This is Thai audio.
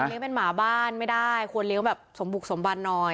เป็นหมาบ้านไม่ได้ควรเลี้ยงแบบสมบุกสมบันหน่อย